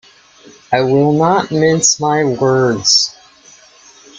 I will not mince my words.